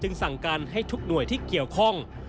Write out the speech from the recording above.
สั่งการให้ทุกหน่วยที่เกี่ยวข้อง